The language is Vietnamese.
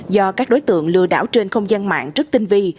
do các đối tượng lừa đảo trên không gian mạng rất tinh vi